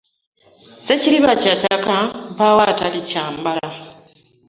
Ssekiriba kya ttaka mpaawo atalikyambala.